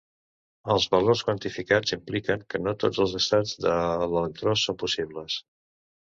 Els valors quantificats impliquen que no tots els estats de l'electró són possibles.